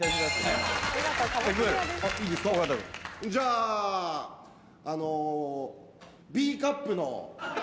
じゃああのＢカップの。